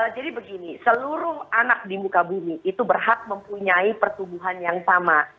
jadi begini seluruh anak di muka bumi itu berhak mempunyai pertumbuhan yang sama